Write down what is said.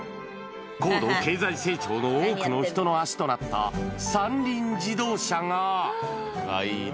高度経済成長の多くの人の足となった三輪自動車が。